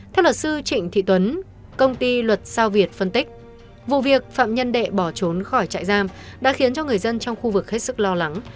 theo luật sư trịnh thị tuấn công ty luật sao việt phân tích vụ việc phạm nhân đệ bỏ trốn khỏi trại giam đã khiến cho người dân trong khu vực hết sức lo lắng